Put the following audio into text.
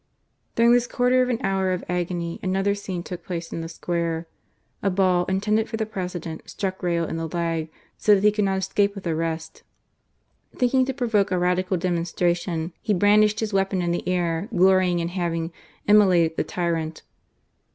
During this quarter of an hour of agony another scene took place in the square. A ball, intended for the President, struck Rayo in the leg, so that he could not escape with the rest. Thinking to provoke a Radical demonstration, he brandished his weapon in the air, glorying in having "immolated the tyrant."